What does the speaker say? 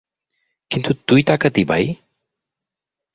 কিন্তু তুই তাকাতি, ভাই।